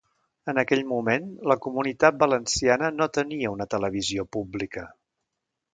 En aquell moment, la Comunitat Valenciana no tenia una televisió pública.